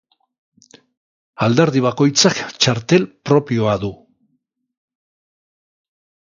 Alderdi bakoitzak txartel propioa du.